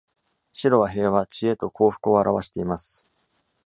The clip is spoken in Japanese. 白は平和、知恵と幸福を表しています。